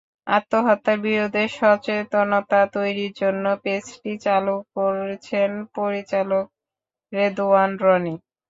আত্মহত্যার বিরুদ্ধে সচেতনতা তৈরির জন্য পেজটি চালু করেছেন পরিচালক রেদওয়ান রনি।